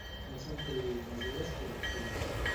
No s'han produït mesures correctives.